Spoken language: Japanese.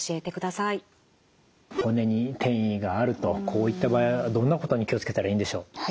こういった場合はどんなことに気を付けたらいいんでしょう。